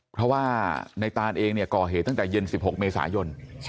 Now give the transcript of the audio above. เพราะว่าในตานเองก่อเหตุตั้งแต่เย็น๑๖เมษายน